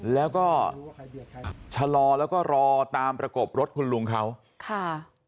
แล้วก็ชะลอแล้วก็รอตามประกบรถคุณลุงเขาค่ะ